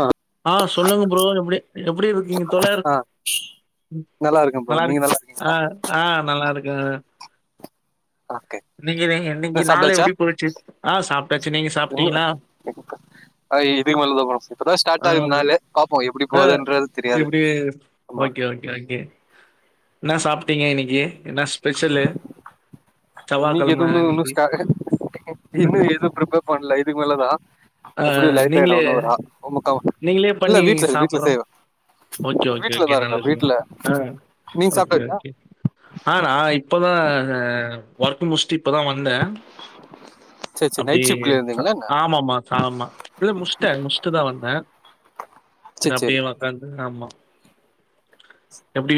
ஆஹ் ஆஹ் சொல்லுங்க ப்ரோ எப்டி எப்டி இருக்கீங்க தொழர் ஆ நல்லா இருக்கே ப்ரோ நல்ல நீங்க இருக் நல்லா ஆ இருக்கீங்களா ஆ நல்லா இரு அ ஓகே நீங்க நீ நீங்க என்ன நாளு சாப்ட்டாச்சா எப்டி போச்சு ஆஹ் சாப்ட்டாச்சு நீங்க இன்னு சாப்பிட்டீங்களா இப்பதான் ஸ்டார்ட் ஆகுதுனால பாப்போ எப்டி போகுதுன்றது தெரியாது எப்டி ஆமா ஓகே, ஓகே, ஓகே. என்ன சாப்பிட்டீங்க இன்னைக்கு என்ன ஸ்பெஷலு இன்னைக்கு செவ்வாய்க்கிழமை எதுன்னு இன்னும் இன்னைக்கு. ஸ்ட் ஆ இன்னும் எதுவும் பிரிப்பர் பண்ணல இது மேல்லதா ஆ எப்டியு லேட் ஆய்டு நீங்களே [unintelligible] [unintelligible] நீங்களே இல்ல பண்ணி வீட்ல வீட்ல சாப்பிடுறோம். செய்றா ஓகே ஓகே ஓகே நல்லதுங்க அ நீங்க ஓகே சாப்ட்டாச்சா ஓகே அ நா இப் ப்பதா அ ஓர்க் முஷ்ட்டு இப்பதா வந்தே சேரி சேரி அப்டி நைட் ஷிஃப்ட்ல இருந்தீங்களா என்ன ஆமாமாமா [unintelligible] இல்ல முஷ்ட்ட முஷ்ட்டு தா வந்தே செரி சேரி சேரி அப்டியே ஒக்காந் ம் ஆமா எப்டி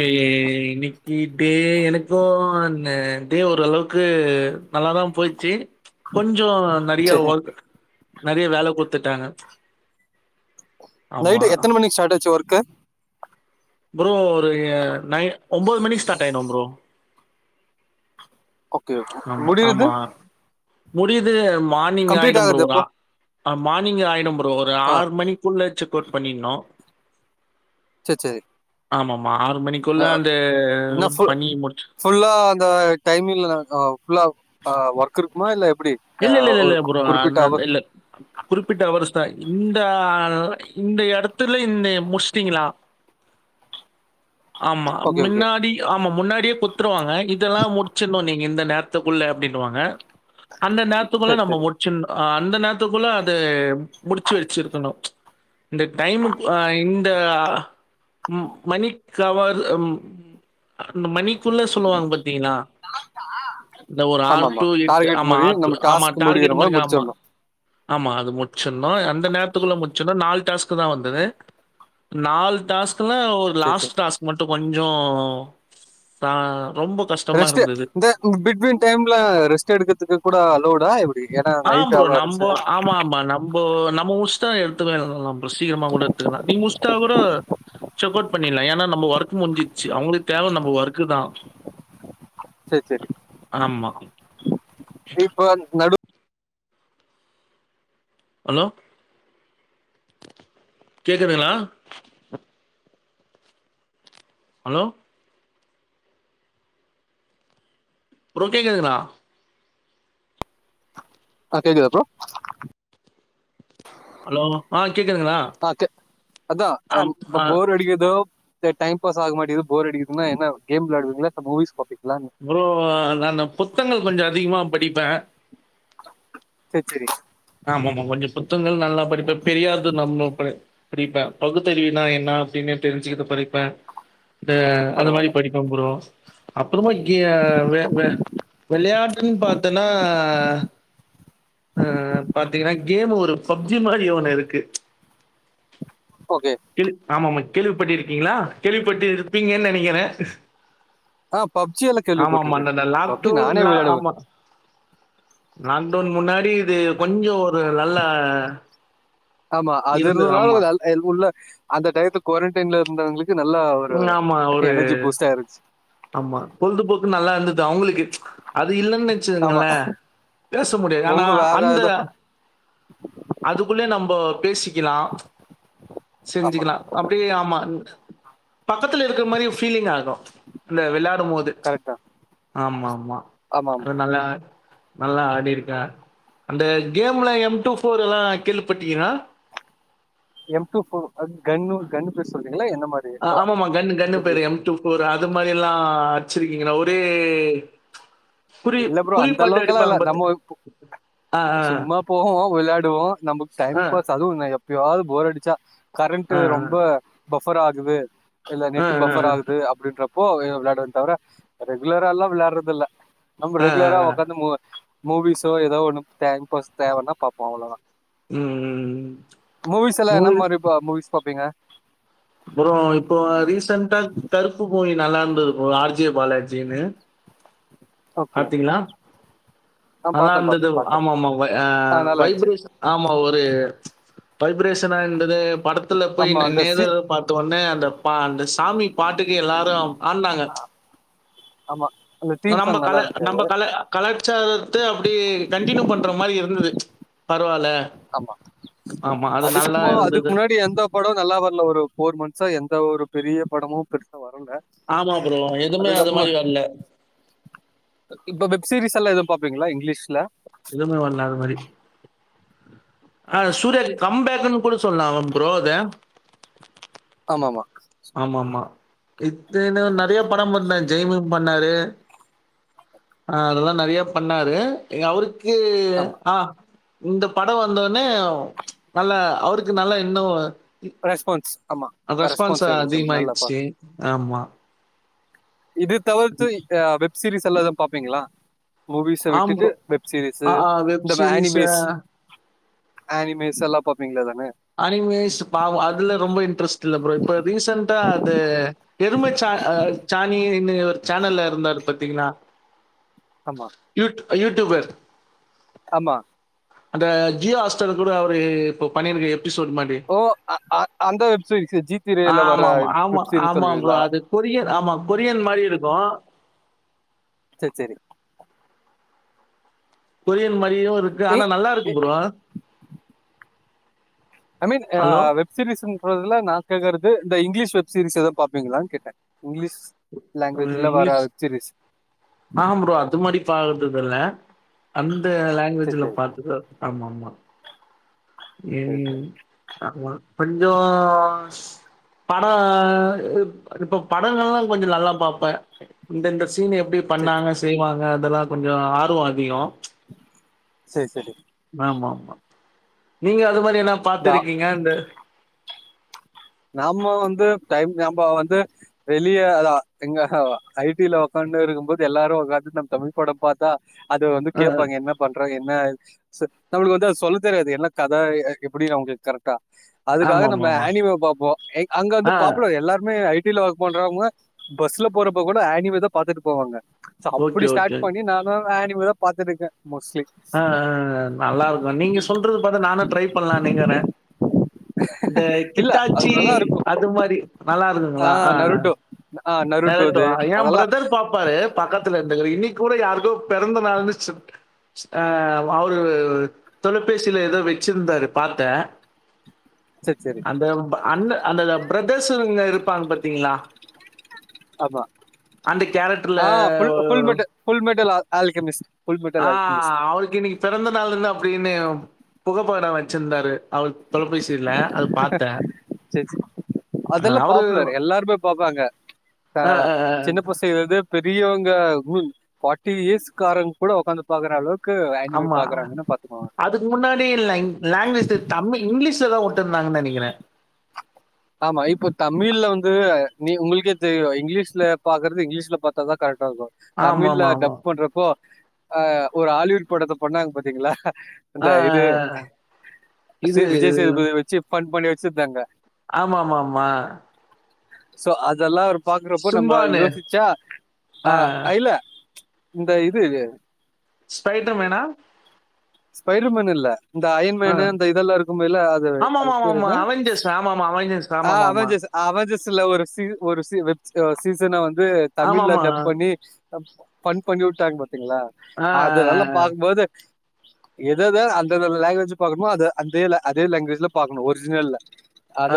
இன்னிக் இப்டே எனக்கு அ டே ஓரளவுக்கு நல்லாதா போய்ச்சு ச்ச் கொஞ்சோ நெறிய சேரி ஒர்க் நெறய வேல குத்துட்டாங்க ச்ச் நைட்டு எத்தன மணிக் ஸ்டார்ட் ஆச்சு ஒர்க் க்கு ப்ரோ ஒரு நை ஒன்பது மணி ஸ்டார்ட் ஆய்டும் ப்ரோ ஓகே ஓகே ஆமா முடிறது ஆமா முடியுது மார்னிங் ஆயிடும் ப்ரோ ஒரு எப்போ அ ஆஹ் மானிங் ஆய்டும் ப் ரோ ஒரு ஆ ஆறு மணிக்குள்ள செக் போர்ட் பண்ணிணோ சேச் சேரி ஆமாம் என்னோ என்ன ஃபுல் பண்ணி முடிச்சு ஃபுல்லா அந்த டைமிங்ல்ல அ ஃபுல்லா அ ஒர்க் இருக்குமா இல்ல எப் இல்லல்ல இல்ல ப்ரோ நா அந்த இல்ல குறிப்பிட்ட அவ்ரு த்த இந்த ஆ இந்த எடத்துல இந்த முஸ்டிங்களா ஆமா ஓகே ஓகே மின்னாடி ஆமா முன்னாடியே குத்துருவாங்க இதெல்லா முடிச்சிடணு நீங்க இந்த நேரத்துக்குள்ள அப்டின்னுவாங்க அந்த நேரத்துக்குல்ல சேர் நம்ம சேரி முடிச்சிர்னு அ அந்த நேரத்துக்குள்ள அது முடிச்சு வெச்சிருக்கணு இந்த டைம்க்கு அ இந்த ம் மணி கவர் அந்த மணிக்குள்ள சொல்லுவாங்க பாத்தீங்களா இந்த ஒரு ஆர் ஆமாமா டு எட்டு டார்கெட் மாரி ஆமாட்டு நம்ம ஆமா டாஸ்க் முடிக்கிற டார்கெட் மாரி ஆமா முடிச்சிர்ணு ஆமா அது முடிச்சுண்ணு அந்த நேரத்துக்குள்ள முடிச்சோன நால் டாஸ்கு தான் வந்தது நால் டாஸ்க் க்கெல்லா ஒரு சேர் சேரி லாஸ்ட் டாஸ்க் மட்டு கொஞ்சோ தா ரெஸ்டு இந்த பிட்வின் டைம்ல ரெஸ்ட் எடுத் க்கு கூட அலோடா ஏன்னா ஆ நைட் ப்ரோ நம்போ அவர்ஸு ஆமா ஆமா நம்போ நம்மோ முடிசுட்ட எடுத்துக்கலா ப்ரோ சீக்கிரமா கூட எடுத்துக்கலா நீங்க முடிஸ்டா கூட செக் அவுட் பண்ணிர்லா ஏன்னா நம்ம ஒர்க் முடிஞ்சிச்சு அவங்களுக்கு தேவ நம்ம ஒர்க்கு தா செர்செரி இப்ப நடு ஹலோ கேக்குதுங்களா ஹலோ ப்ரோ கேக்குதுங்கள ஆ கேக்குதா ப்றோ ஹலோ ஆ கேக்குதுங்களா? அகே அத்த ஆ, அம் ஆ போர் அடிகுதொ து டைம் பாஸ் ஆக மாடிது போர் அடிக்குதுன்ன என்ன கேம் விளாடுங்களா மூவிஸ் பாப் ப்றோ நான் புத்தங்கள் கொஞ்சோ அதிகமா படிப்பே [inaudible] செர்செரி ஆமாம்மா கொஞ்சோ புத்தங்கள் நல்லா படிப்பே பெரியாது நம்ம படிப்பே பகுத்தறிவினா என்ன அப்டின்னு தெரிஞ்சுகது படிப்பே த அந்த பரவால்ல மாரி படிப்பே ப்றோ [unintelligible] விளையாட்டுன்னு பத்தேன்னா கேம் ஒரு பப்ஜி மாரி ஒன்னு இருக்கு ஓகே இருக் ஆமாமா கேள்விப்பட்டு இருக்கீங்களா கேள்விப்பட்டு இருப்பீங்க நெனைக்கிறே ஆஹ் பப்ஜி எல்லா கேள்வி பட்டிருக்கே பப்ஜி லாக்டவுன் நானே லா விளையாடுவே ஆமா. லாக்டவுன் முன்னா புரியிது கொஞ்சோ ஒரு நல்ல ஆமா அது இருந்தால நல்ல உள்ள அந்த டைத்து குரண்டன்ல [unintelligible] க்கு நல்லா ஒரு ம் ஆமா. ஒரு எனர்ஜி பூஸ்ட் ஆயிருச்சு ஆமா பொழுதுபோக்கு நல்லா இருந்தது அவுங்களுக்கு அது இல்லன்னு ஆமா [unintelligible] பேச முடியாது ஆனா ரொம்ப வேற அந்த ஏதோ அதுக்குள்ள நம்போ பேசிக் லாம் ஆமா செஞ்சிக்கலா அப்டியே ஆமா பக்கத்துல இருக்கிற மரி ஃபீலிங் ஆகும் இந்த வெள்ளா போது ப்ச் கரெக்டா ஆமா ஆமா ஆமா ஆமா அதனாலா நல்லா ஆடிருக்கே அந்த கேம்ல எம் டூ ஃபோர் எல்லா கேள்விப்பட்டீன்னா எம் டூ ஃபோர் அது கன்னு கன்னு பேர் சொல் ஆமாமா கன்னு கன்னு பேரு எம் டூ ஃபோர் அது மாரி எல்லா அட்ச்சிருக்கீங்களா ஒரே குறி இல்ல ப்ரோ குறி அந்த பாட்டு அளவுக்குலா இல்ல அடிப்பாங்க பாத்து நம்ம ஆ, ஆ, சும்மா போவோ விளாடு வோ நமக்கு டைம் ஆ, பாஸ் அதுவு எப்பயாவது போர் அடிச்சா கரண்ட்டு ஆ, ஆ. ரொம்ப பஃபர் ஆகுது இல்ல ஆ நெட்டு ஆ பஃபர் ஆகுது அப்படின்ற போவேன் விளாடுவேன் தவிர ரெகுலரால்லாம் விளையாடுரதுல்ல நம் ஆ ஆ ரெகுலரா ஆ உக்காந்தமோ மூவிஸோ ஏதோ ஒன்னு டைம்பாஸ் தேவைன்னா பாப்போம் அவ்ளோதான் ம் மூவிஸ் எல்லாம் என்ன மாதிரி மூவிஸ் பாப்பீங்க அப்புறம் இப்போ ரீசென்டா கருப்பு மூவி நல்லாருந்தது ஆர் ஜெ பாலாஜினு ஓகே பாத்தீங்களா ஆ அதான் பாத்தே பாத்தே இருந்தது பாத்தே ஆமாமா ஆ நல்லா இருந்துச்சு வைப்ரேஷன் ஆமா ஒரு பப் டிப்ரேஷனாருந்தது படத் படத்துல போய் ஆமா நா அந்த சி நேர்ல பாத்த ஒனே அந்த பா அந்த சாமி பாட்டுக்கு எல்லாரும் ஆடுனாங்க ஆமாம் நம்ம கல நம்ம கல கலாச்சாரத்த அப்டி கண்டீனியூ பண்ற மாறி இருந்தது பரவால ஆமா ஆமாம் அது நல்லா இருந்தது படோம் நல்லா வர்ல ஒரு ஃபோர் மந்த்சா எந்த ஒரு பெரிய படமும் பெருசா வர்ல ஆமா ப்ரோ எதுமே அது மாறி வர்ல சீரிஸ்ஸலா எதுவும் பாப்பீங்களா இங்லீஷ்ல எதுமே வர்ல அது மாறி ஆஹ் சூர்யாக்கு கம்பேக்குனு கூட சொல்லா ப்ரோ அத ஆமா ஆமா ஆமா மாம்மா இத்தன நெறய படம் வந்தா ஜெய்பீம் பண்ணாரு ஆஹ் அதெல்லா நறைய பண்ணாரு எங் அவ்ருக் கே ஆமா ஆ இந்த படோ வந்தோ னே நல்ல அவ்ருக்கு நல்ல இன்னு ரெஸ்பான்ஸ் ஆமா அந்த ரெஸ்பான்ஸ் இருந்துச்சு நல்லா பா அதிக்மாய்ர்ச்சி ஆமா இது தவர்த்து அ வெப் சீரிஸல்லா எதா பாப்பீங்ளா மூவிஸ ஆம் விட்டுட்டு ப்ரோ வெப் சீரிஸு வெப் இந்த சீரிஸ் வேனிபேஸ் அனிமேஸல்லா பாப்பீங்ள அதா அனிமேஸ் பாவோ அதுல ரொம்ப இன்ட்ரஸ்ட் இல்ல ப்ரோ இப்ப ரீசன்டா அது எருமச்சா ஆஹ் ஜணி இன்னை ஒரு சேனல்ல இருந்தாரு பத்தீங்ளா ஆமா யூடூபர் ஆமா அந்த ஜியா ஹாட் ஸ்டார் கூட அவ்ரு இப்ப பண்ணிருக் ஓ அ அ அந்த வெப் சீரிஸு ஜீ ஆ ஆமாம்மா ஆமா ஆமா ப்ரோ அது கொரிய ஆமா கொரியன் மாரி இருக்கு ஆ செர் செரி கொரியன் மாதிரியும் இருக்கு ஆனா நல்லா இருக்கு bro I mean hello! Web series முதல்ல நான் கேட்கிறது இந்த இங்கிலீஷ் வெப் சீரியஸ் எதவாது பாப்பீங்களான்னு கேட்டேன் இங்கிலீஷ் லாங்குவேஜ்ல வர இங்கிலீஷ் வெப் சீரிஸ் ஆஹ் ப்ரோ அது மாதிரி பாக்குறதுக்கு ல அந்த வேற சரி லாங்குவேஜ்ல சரி பாத்துக்கோ ஆமா மா சரி இன் ஆமா கொஞ்சோ படோ இப் இப்ப படங்கள்லா கொஞ்சம் நல்லா பாப்பே இந்தந்த சீன் எப்டி சரி பண்ணாங்க செய்வாங்க அதெல்லா கொஞ்சோ ஆ வோ அதிகோ சரி சரி ஆமா ஆமா நீங்க அத போலயெல்லா இதா பாத்துருக்கீங்க அந்த நாம வந்து டைம் நம்ம வந்து வெளிய அதா எங்க ஐ டி ல ஒக்காந்துருக்கும்போது எல்லாரூ ஒக்காந்து நம்ம தமிழ் படோ பாத்தா அது வந்து அ கேப்பாங்க என்ன பண்ற என் என்னா சத் நம்ளுக்கு வந்து அது சொல்ல தெரியாது என்னா கத எப்படி நமக்கு கரெக்டா அதுக்காக நம்ம ஆமாமாமா. ஆனிவ பாப் ஓ எ அங்க வந்து ஆ பாப்புலர் எல்லாருமே ஐ டி ல வர்க் பண்றவங்க பஸ்ல போறப்ப கூட ஆனிவே தா பாத்துட்டு போவாங்க சோ ஓகே, அப்டி ஸ்டார்ட் பண்ணி தா [unintelligible] உங்களாத பாத்துட்டிருக்கே ஆஹ்ஹ் நல்லா இருக்கோ நீங்க சொல்றது பாத்த நானு ட்ரை பண்ணலானுங்கிறே இந்த இல்ல அது கித்தாச்சி நல்லா இருக்கு அது மாரி நல்லா ஆ இருக்குங்களா ஆஹ் நருட்டோ ஆ நரட்டோ நருட்டோது எயா அதெல்லா பிரதர் பாப்பாரு பக்கத்துல இருந்து இன்னைக்கு கூட யாருக்கோ பெறந்த நாளுனு சிப் ஆ அவரு தொலைபேசில ஏதோ வச்சிருந்தாரு பாத்தே சரி சரி அந்த ப் அண்ண அந்ததா ப்ரத் பேசுறவங்க இருப்பாங்க பாத்தீங்ளா ஆமா ஆ ஃபுல் ஃபுல் மட்டு ஃபுல் ம னுல்லா ஆல்கெமிஸ்ட் ஃபுல் மெட்டல் ஆல்கெமிஸ்ட் ஆஹ் அவ்ளுக்கு இன்னைக்கி பொறந்த நாளுன்னு அப்டின்னு புகைப்பட எடுத் வெச்சிந்தாரு செரி செ அ அதெல்லா அவரு பாப்புலர் எல்லாருமே பாப்பாங்க அ ஆஹ் அ அ சின்ன பசங்க லெந்து பெரியவங்க பார்டி இயர்ஸ்காரங்க கூட உக்காந்து பாக்குறஅளவுக்கு ஆமா அதுக்கு முன்னாடி லாங் லாங்குவேஜ்ஜில தமிழ் இங்கிலீஷ்ல தா விட்டு இருந்தாங்கன்னு நெனைக்கிறே ஆமா இப்போ தமிழ்ல வந்து நீ உங்களுக்கே தெரியு இங்கிலீஷ்ல பாக்குறது இங்கிலீஷ்ல பாத்தாதா கரெக் டா இருக்கு தமிழ்ல ஆமாமாமா. டப் பண்றப்போ ஆஹ் ஒரு ஹாலிவுட் படத்த பண்ணாங்க பாத்தீங்களா இந்த ஆ இது அ இது [unintelligible] விஜய் சேதுபதியவச்சு ஃபன் பண்ணி வச்சிருந்தாங்க ஆமா ஆமா ஆமா சோ அ இதெல்லா அவரு பாக்குறப்போ நம்ம சிம்பானு யோசிச்சா ஆ ஆஹ் இல்ல இந்த இது இது ஸ்பைட்டர் மேனா ஸ்ஃபைடர்மேன் இல்ல இந்த அயின் மேனு ஆ இந்த அந்த இதெல்லா இருக்கும்மில்ல அது அது பேரு ஆமாமாமாமா. என்ன அவெஞ்சர்ஸ் ஆமாமா அவெஞ்சர்ஸ் ஆ ஆமாமாமா. அவேஜர்ஸ் அவேஜர்ஸ் சில ஒரு சீர் ஒரு சீர் வெப் சீசனா வந்து இது தமிழ்ல ஆமாமா. டப் பண்ணி ஃபன் பண்ணிவிட்டாங்க பாத் திங்களா ஆ அ அது நல்லா பாக்கும் போது எதெத அந்த இதுல அந்த லாங்குவேஜ்ல பாக்கணுமோ அதே அதே லாங்குவேஜ்ல பாக்கணும் ஒரிஜினல்ல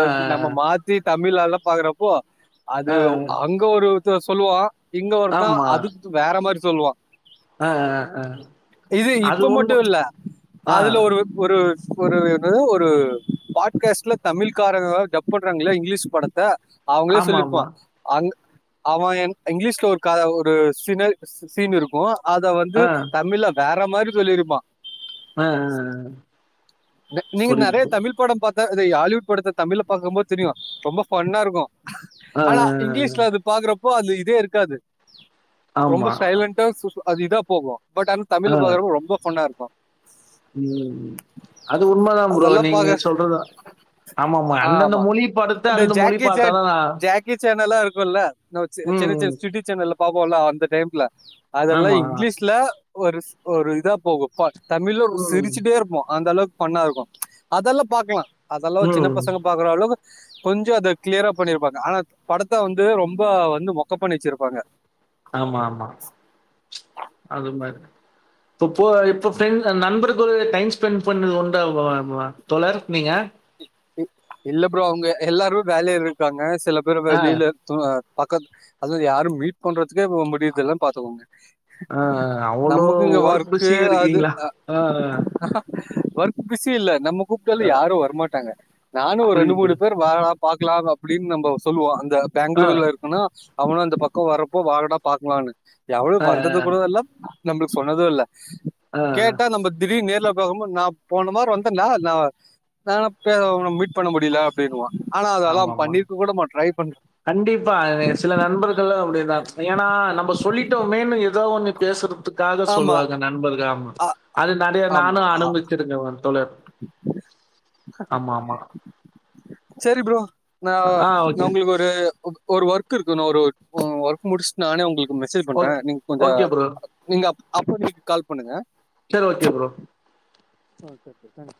அ. ஆ நம் மாத்தி தப் தமிழ் ஆள்லா பாக்றப்போ அது அ அ. அங்க ஒரு து சொல்லுவா இங்க ஒருத்தான் அதுக்கு வேற மாரி சொ சொல்லுவா ஆ ஆ அது ஒன்னு ட்டு இல்ல அதுல ஒரு ஒரு ஒரு என்ன ஒரு பாட்காஸ்ட்ல தமிழ்காரங்க டப் பண்றாங்கள இங்கிலீஷ் படத்த அவங்களே ஆமா சொல்லிருப்பா ஆமா அங்க அவே என் இங்கிலீஷ்ல ஒரு காத ஒரு சினல் சீன் இருக்கு அத வந்து தமிழ்ல வேற ற மாரி சொல்லியிருப்பா ஹ ஹ ஹ நீங்க நெறய தமிழ் படம் பாத் தா அதை ஹாலிவூட் படத்த தமிழ்ல பாக்கும் போத் தெரியு ரொம்ப ஃபன்னா இருக்கு ஆ ஆ ஆனா ஆ. இங்கிலீஷ்ல அது பாக்குறப் இப்போ அதுல இதே இருக்காது ரொம்ப ஆமா சைலண்ட்டா [unintelligible] அது இதாப் போகு பட் அன் தமிழ்ல பாக்குறப்பொ ரொம்ப ஃபன்னா இருக்கு உம் அது உண்மதா ப்ரோ அதெல்லாம் நீங்க பாக்க சொல்றது ஆமாமா ஆமா அந்தந்த மொழி படத்த இந்த அந்த மொழி ஜாக்கி சேன் பாத்தாதா நா ஜாக்கி சேன் எல்லாம் உம் பாபோலே அந்த டைம்ல அதெல்லா இங்கிலீஷ்லே ஒருஸ் ஒரு இதா போகும் பார் தமிழ்லொரு ம் சிரிச்சிட்டே இருப்போ அளோக் பஃண்ணா இருக்கோ அதெல்லா பாக்லா அதல்லா ஒ சின்ன ம் பசங்க பாக்குற அளவு கொஞ்சோ அத கிளியரா பண்ணிருப்பாங்க ஆனா படத்த வந்து ரொம்ப வந்து மொக்க பண்ணி வச்சிருப்பாங்கெ ஆமா ஆமா அது மாரி தொப்போ இப்ப பிஃரண் நண்பர்குலே டைம் ஸ்பெண் பண்றது உண்டா [unintelligible] தொலர் நிங்கெ இ இல்ல ப்ரோ அவுங்கெ எல்லாரு வேலேருக்காங்கெ சில பேர் ஆ வெளிலெ தூங் தி பக்கத் அது வேறு யாரும் மீட் பண்றத்துகே முடிவுக்கெல்லா பாத்துக்கோங்க ஆஹ் அவ்ளோ நமக்கு இங்க ஒர்க் ஒர்க்கு பிஸியா அது இருக்கீங்ளாஹ் ஆஹ்ஹ வர்க் பிஸ்சி இல்ல நம்முக் கூப்டெல்லெ யாரு வருமாட்டாங்க நானு ஒரு ரெண்டு புரியுது ப்ரோ மூணு பேர் வர் [unintelligible] பாக்கிலா அப்படின் நம்போ சொல்வோ அங் தெ ஆ பெங்குளூர்ல இருக்கனு அவனு இந்த பக்கோ வரப்போ வாடா பாக்லான்னு எவ்ளு ஆ வந்தது குடவா இல்ல நம்ளுக் சொன்னதூ இல்ல ஆ கேட்டா நம்பேத் திடீர் நேர்லப் வவ் ரோம்ப நா போன வார் வந்தேன்ல நா [unintelligible] போய் அவன மீட் பண்ண முடியல அப்டின்னுவா ஆமா ஆமா பண்றேன் கண்டிப்பா சில நண்பர்கள் அப்டிதா ஏன்னா நம்ம சொல்லிட்டோமேன்னு இர் எதோ ஒன்னு பேசுறது சுத்காக ஆமா சொல்லுவாங்க நண்பர்க ஆமா ஆ- அது நடைய நானு ஆமா ஆ- அனுவிச்சிருங்க ஒ தோழர் ஆமா ஆமா நா நா உங்ளுக்கு ஒரு ஒரு ஒர்க் புக்கு இருக்கணு ஒரு ஓர் ஒர்க் ஒர்க் முடிச் நானே உங்ளுக் மெசேஜ் பண்ற ஓகே. நீங்க கொஞ்ஜா ஓகே ப்ரோ. நீங்க அப் அப்போ நீங்க கால் பண்ணுக சேர் ஓகே புரோ ஓ சேர் சேர் தேங்